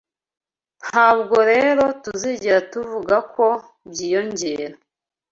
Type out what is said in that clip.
ntabwo rero tuzigera tuvuga ko "byiyongera"